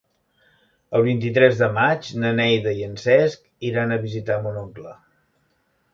El vint-i-tres de maig na Neida i en Cesc iran a visitar mon oncle.